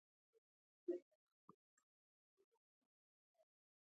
بېنډۍ د بدن انرژي زیاتوي